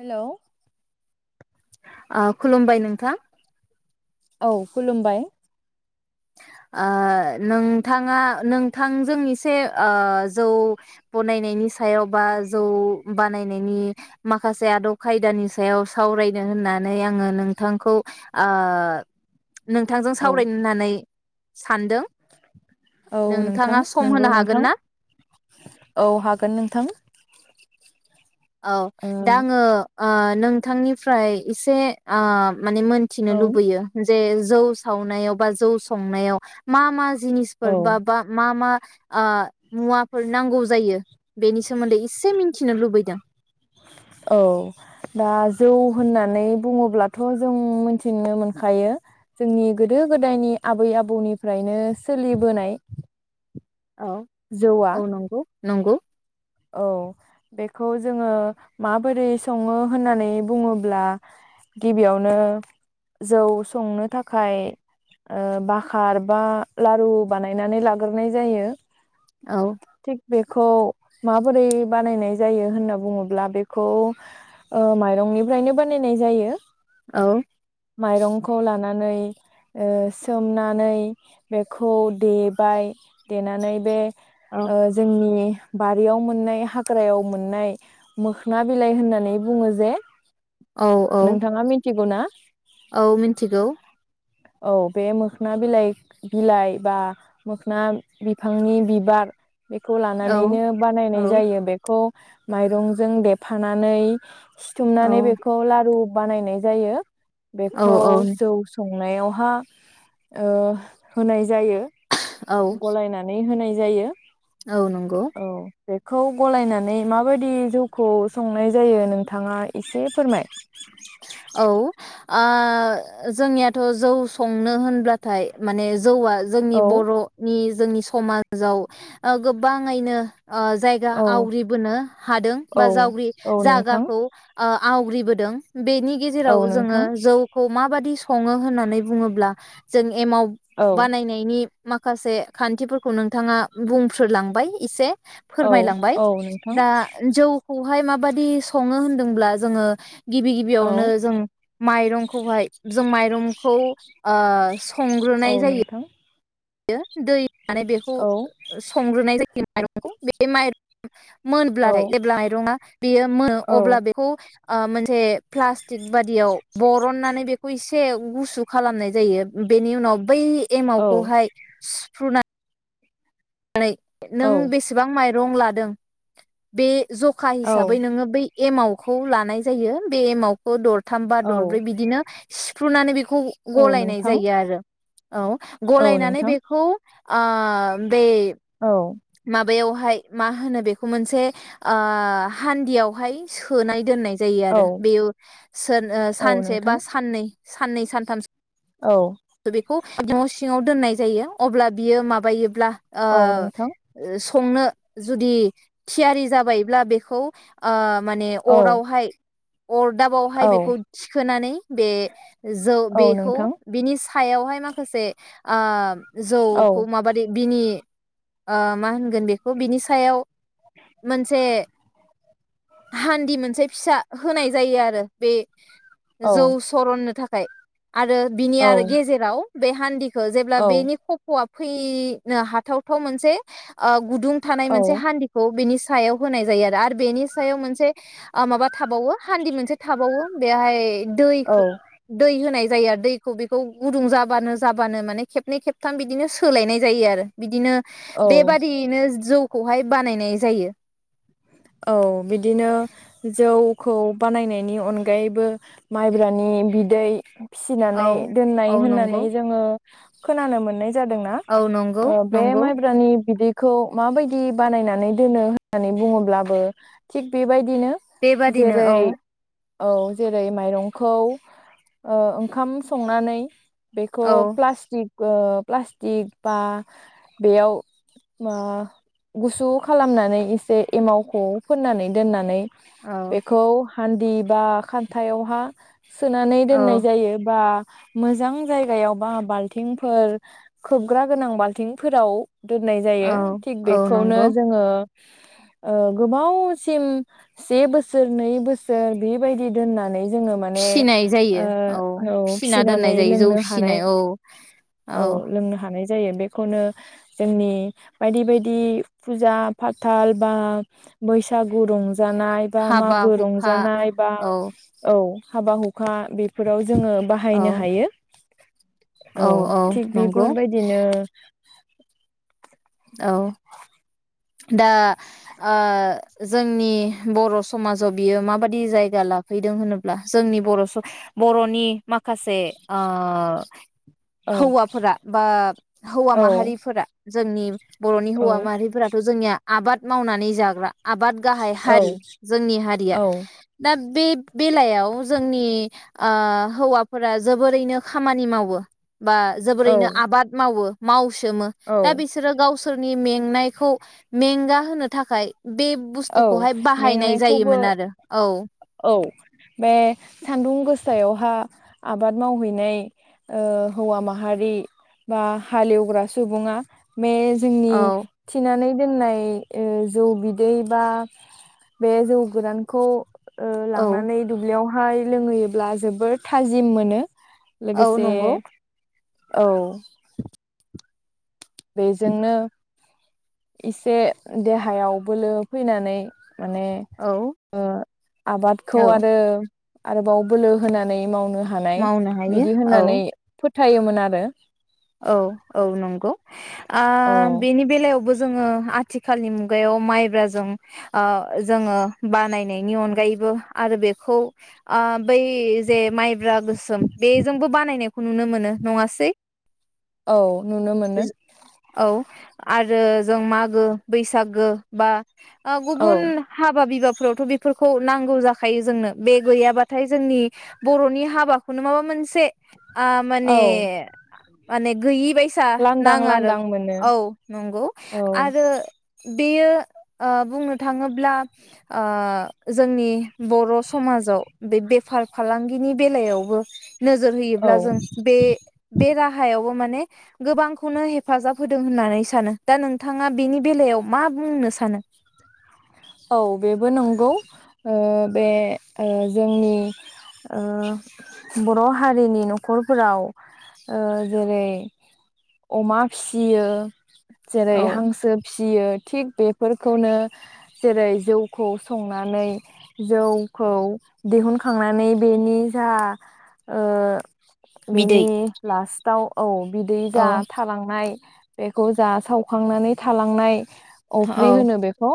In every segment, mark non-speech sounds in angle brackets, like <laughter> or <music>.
Hello खुलुमबाय नोंथां। औ खुलुमबाय नोंथाङा नोंथांजों एसे जौ बनायनायनि सायाव बा जौ बानायनायनि माखासे आदब खायदानि सायाव सावरायदों होननानै आङो नोंथांखौ ओ नोंथांजों औ सावरायनो होननानै सानदों औ नोंथां नोंथाङा सम नंगौ होनो हागोन नोंथां ना? औ हागोन नोंथां। औ दा ओ आङो ओ नोंथांनिफ्राय एसे ओ माने मोनथिनो लुबैयो बे जौ सावनायाव बा जौ संनायाव मा मा औ जिनिसफोर बा बा मा मा ओ मुवाफोर नांगौ जायो बेनि सोमोन्दै एसे मिन्थिनो लुबैदों। औ दा जौ होननानै बुङोब्लाथ' जों मोनथिनो मोनखायो जोंनि गोदो गोदायनि आबै आबौनिफ्रायनो सोलिबोनाय। औ जौआ औ नंगौ नंगौ औ बेखौ जोंङो माबोरै सङो होननानै बुङोब्ला गिबियावनो जौ संनो थाखाय ओ बाखार बा लारु बानायनानै लाग्रोनाय जायो। औ थिग बेखौ माबोरै बानायनाय जायो होनना बुङोब्ला बेखौ ओ माइरंनिफ्रायनो बानायनाय जायो। औ माइरंखौ लान नानै ओ सोमनानै बेखौ देबाय देनानै बे औ ओ जोंनि बारियाव मोननाय हाग्रायाव मोननाय मोखना बिलाइ होननानै बुङो जे औ औ नोंथाङा मिथिगौ ना? औ मिथिगौ। औ बे मोखोना बिलाइ बिलाइ बा मोखोना बिफांनि बिबार बेखौ औ नैनो औ बानायनाय जायो बेखौ माइरंजों देफानानै सिथुमनानै बेखौ लारु बानायनाय जायो। औ बेखौ औ जौ सं संनायावहा ओ होनाय जायो। औ गलायनानै होनाय जायो। औ नंगौ। खौ गलायनानै माबायदि जौखौ संनाय जायो नोंथाङा एसे फोरमाय औ ओ जोंनियाथ' जौ संनो होनब्लाथाय माने जौआ जोंनि औ बर'नि जोंनि समाजाव ओ गोबांङैनो ओ जायगा औ आवग्रिबोनो हादों औ बा जावग्रि औ नोंथां जागाखौ आवग्रिबोदों बेनि औ गेजेराव जोंङो नोंथां जौखौ। माबायदि संङो होननानै बुङोब्ला जों एमाव औ बानायनायनि माखासे खान्थिफोरखौ नोंथाङा बुंफ्रोलांबाय एसे औ फोरमायलांबाय औ नोंथां दा जौ खौहाय माबाददि सङो होनदोंब्ला जोङो गिबि गिबियावनो औ जों माइरंखौहाय जों माइरंखौ ओ औ संग्रोनाय जायो नोंथां दै माने बेखौ औ संग्रोनाय जायो <unintelligible> औ मोनब्लाथाय जेब्ला माइरङा बेयो मोनो अब्ला औ बेखौ ओ मोनसे प्लास्टिक बादियाव बरननानै बेखौ एसे गुसु खालामनाय जायो बेनि उनाव बै औ एमावखौहाय सुफ्रुना नै नों औ बेसेबां माइ रं लादों बे जखा औ हिसाबै नोङो बै एमावखौ लानाय जायो बे एमावखौ दर थाम बा औ दरब्रै बिदिनो सिफ्रुनानै बे खौ औ गलायनाय नोंथां जायो आरो औ औ गलायनानै नोंथां बेखौ आ बे औ माबायावहाय मा होनो बेखौ मोनसे ओ हान्दियावहाय सोनानऐ दोननाय जायो औ आरो बेयाव सोन औ सानसे बा नोंथां साननै साननै सानथामसो औ। बेखौ न' सिङाव दोननाय जायो अब्ला बियो माबायोब्ला ओ औ नोंथां स संनो जुदि थियारि जाबायब्ला बेखौ ओ माने औ अरावहाय औ अरदाबावहाय बेखौ थिखोनानै बे जौ औ बेखौ नोंथां बिनि सायावहाय माखासे ओ औ जौखौ माबादि बिनि ओ मा होनगोन बेखौ बिनि सायाव मोनसे हान्दि मोनसे फिसा होनाय जायो आरो बे औ जौ सरननो थाखाय <unintelligible> आरो बिनि औ आरो गेजेराव बेे हान्दि खौ जेब्ला बेनि खफ'आ फै नो हा थावथाव मोनसे ओ गुदुं थानाय औ मोनसे हान्दिखौ बेनि सायाव होनाय जायो आरो आरो बेनि सायाव मोनसे ओ माबा थाबावो हान्दि मोनसे थाबावो बेआहाय दै खो दै होनाय जायो आरो दैखौ बे खौ गुदुं जाबानो जाबानो माने खेबनै खेबथाम बिदिनो सोलायनाय जायो आरो बिदिनो औ बेबादियैनो जौ खौहाय बानायनाय जायो औ बिदिनो जौ खौ बानायनायनि अनगायैबो माइब्रानि बिदै औ फिसिनानै दोननाय औ नंगौ होननानै जोङो खोनानो मोननाय जादों ना औ नंगौ ओ बे नंगौ माइब्रानि बिदै खौ माबायदि बानायनानै दोनो होननानै बुङो? ब्लाबो थिक बेबाय दिनो बेबादिनो औ जेरै औ जेरै माइरंखौ ओ ओंखाम संनानै बेखौ औ प्लास्टिक ओ प्लास्टिक बा बेयाव बा गुसु खालामनानै इसे एमावखौ फोननानै दोननानै औ बेखौ हान्दि बा खान्थायावहा सोनानै दोननाय औ जायो बा मोजां जायगायाव बा बाल्थिंफोर खोबग्रा गोनां बाल्थिंफोराव दोननाय जायो औ थिग औ बेखौनो नंगौ जोङो ओ गोबावसिम से बोसोर नै बोसोर बेबायदि दोननानै जोङो माने फिसिनाय ओ जायो औ फिसिना फिसिनानै दोननाय जायो जौ लोंनो हानाय फिसिनाय औ औ लोंनो हानाय जायो बेखौनो जोंनि बायदि बायदि फुजा फाथाल बा बैसागु रंजा रंजानाय बा हाबा मागो हुखा रंजानाय बा औ औ हाबा हुखा बेफोराव जोंङो औ बाहायनो हायो औ थिग बेफोरबायदिनो औ दा ओ जोंनि बर समाजाव बियो माबादि जायगा लाफैदों होनोब्ला जोंनि बर स बरनि माखासे ओ औ हौवाफोरा बा हौवा औ माहारिफोरा जोंनि बरनि औ हौवा माहारिफोरा जोंनिया आबाद मावनानै जाग्रा आबाद गाहाय औ हारि जोंनि हारिया। औ दा बे बेलायाव जोंनि ओ हौवाफोरा जोबोरैनो खामानि मावो। बा औ जोबोरैनो आबाद मावो माउ सोमो औ दा बिसोरो गाव सोरनि मेंनायखौ मेंगा होनो थाखाय बे औ बुस्थुखौहाय बाहायनाय मेंनायखौबो जायोमोन आरो औ औ बे सान्दुं गोसायावहा आबाद मावहैनाय ओ हौवा माहारि बा हालेवग्रा सुबुंङा बे जोंनि औ थिनानै दोननाय ओ जौ बि दै बा बे जौ गोरानखौ ओ औ लांनानै दुब्लियाव हाय लोंहैयोब्ला जोबोर थाजिम मोनो औ लोगोसे नंगौ औ बेजोंनो इसे देहायाव बोलो फैनानै माने औ ओ आबादखौ औ आरो आरोबाव बोलो होनानै मावनो हानाय मावनो हायो बिदि औ होननानै फोथायोमोन आरो औ औ नंगौ आ औ बेनि बेलायावबो जोङो आथिखालनि मुगायाव माइब्राजों ओ जोङो बानायनायनि अनगायैबो आरो बेखौ आ बै जे माइब्रा गोसोम बेजोंबो बानायनायखौ नुनो मोनो नङासै? औ नुनो मोनो <inaudible> औ आरो जों मागो बैसागो बा औ गुबुन हाबा बिबा फोरावथ बेफोरखौ नांगौ जाखायो जोंनो बे गैयाबाथाय जोंनि बरनि हाबाखौनो माबा मोनसे आ माने औ माने गैयि बायद लांदां नाङो आरो लांदां मोनो औ नंगौ औ आरो बेयो ओ बुंनो थाङोब्ला ओ जोंनि बर' समाजाव बे बेफार फालांगिनि बेलायावबो नोजोर औ होयोब्ला जों बे राहायावबो माने गोबां खौनो हेफाजाब होदों होननानै सानो दा नोंथाङा बेनि बेलायाव मा बुंनो सानो? औ बेबो नंगौ ओ बे ओ जोंनि ओ बर' हारिनि न'खरफोराव ओ जेरै अमा फियो जेरै औ हांसो फियो थिग बेफोरखौनो जेरै जौखौ संनानै जौखौ दिहुनखांनानै बेनि जा ओ बिदै बेनि लास्ट दाउ औ बिदै औ जा थालांनाय बेखौ जा सावखांनानै थालांनाय अफ्रि औ होनो बेखौ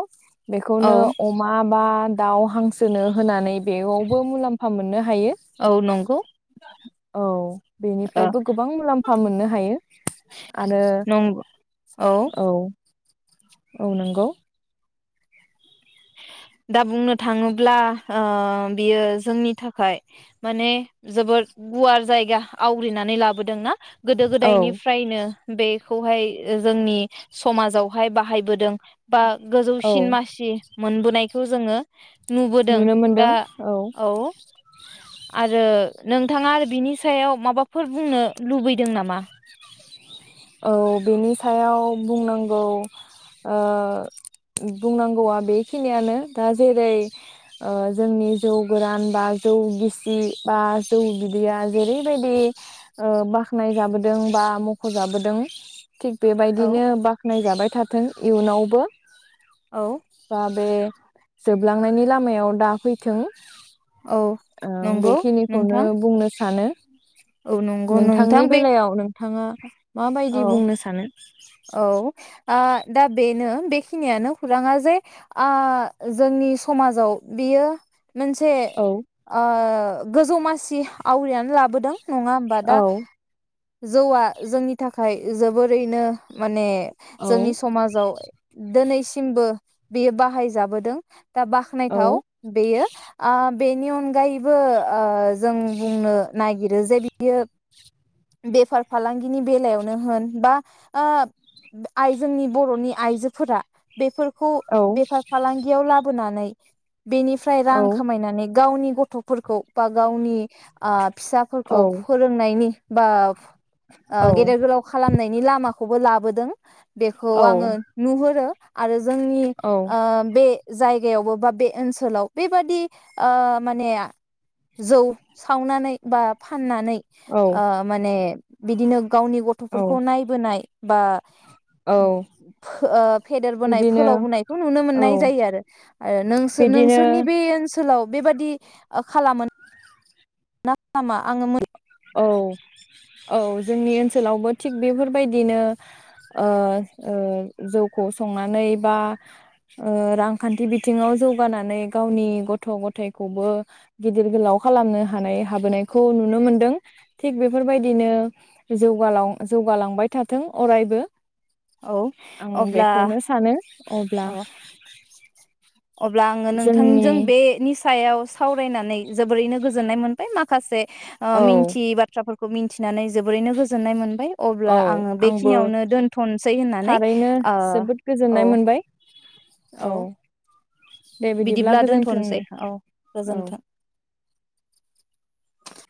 बेखौनो औ अमा मा दाउ हांसोनो होनानै बेयावबो मुलाम्फा मोननो हायो औ नंगौ औ बेनिफ्रायबो गोबां फा मोननो हायो आरो नंगौ औ औ नंगौ दा बुंनो थाङोब्ला ओ बियो जोंनि थाखाय माने जोबोद गुवार जायगा आवग्रिनानै लाबोदोंना? गोदो औ गोदायनिफ्रायनो बे बे खौहाय जोंनि समाजावहाय बाहायबोदों बा औ गोजौसिन मासि मोनबोनायखौ जोङो नुबोदों नुनो मोनदों दा औ आरो नोंथाङा आरो बिनि सायाव माबाफोर बुंनो लुबैदों नामा? औ बेनि सायाव बुंनांगौ ओ बुंनांगौआ बेखिनियानो दा जेरै ओ जोंनि जौ गोरान बा जौ गिसि बा जौ बिदैया जेरैबायदि ओ बाखनाय जाबोदों बा मख'जाबो दों थिग औ बेबायदिनो बाख्नाय जा थाबाय थाथों इयुनावबो औ दा बे जोबलांनायनि लामायाव दा फैथों औ ओं नंगौ बेखिनिखौनो नोंथां बुंनो सानो। औ नंगौ नोंथां नोंथांनि बे बेलायाव नों थाङा माबायदि औ बुंनो सानो? औ आ दा बेनो बेखिनियानो खौराङा जे आ जोंनि समाजाव बियो मोनसे औ ओ गोजौ मासि आवग्रिनानै लाबोदों नङा ओमबा दा? औ जौवा जोंनि थाखाय जोबोरैनो माने औ जोंनि समाजाव दोनै सिमबो बेयो बाहाय जाबोदों । दा औ बाख्नायथाव बेयो ओ बेनि अनगायैबो ओ जों बुंनो नागि रो जे बियो बेफार फालांगिनि बेलायावनो होन बा ओ आइ जोंनि बर'नि आइजोफोरा बेफोर खौ औ बेफार फालांगियाव लाब बोनानै बेनिफ्राय रां औ खामायनानै गावनि गथ'फोरखौ बा गावनि आ फिसाफोरखौ औ फोरोंनायनि आ औ ओ गेदेर गोलाव खालामनायनि लामा खौबो लाबोदों बेखौ आङो नुहुरो आरो जोंनि औ ओ बे जाय जायगायावबो बा बे ओनसोलाव बेबादि ओ माने जौ सावनानै बा फाननानै औ <unintelligible> माने बिदिनो गावनि औ गथ'फोरखौ नायबोनाय बा औ फो ओ फेदेरबोनाय बिदिनो फोलावबोनायखौ नुनो औ मोननाय जायो आरो नों बिदिनो नोंसोरनि बे ओनसोल सोलाव बेबायादि ओ खालामोन नामा आं मोन औ औ जोंनि ओनसोलावबो थिग बेफोरबायदिनो ओ ओ जौखौ संनानै बा ओ रांखान्थि बिथिङाव जौगानानै गावनि गथ' गथायखौबो गिदिर गोलाव खालामनो हानाय हाबोनायखौ नुनो मोनदों। थिग बेफोरबायदिनो जौगालाव जौगालांबाय थाथों अरायबो औ आं अब्ला बेखौनो सानो अब्ला अ अब्ला आङो जोंनि नोंथांजों बेनि सायाव सावरायनानै जोबोरैनो गोजोननाय मोनबाय माखासे आ औ मिन्थि बाथ्राफोर खौ मिन्थिनानै जोबोरैनो गोजोननाय मोनबाय। अब्ला औ आङो आंबो बेखिनियावनो दोनथ'सै होननानै थारैनो जोबोद ओ गोजोननाय औ मोनबाय औ दे बिदिब्ला गोजोन्थों दोनथ'नोसै नोंथां औ औ गोजोन्थों।